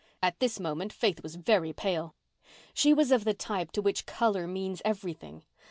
At this moment Faith was very pale. She was of the type to which colour means everything.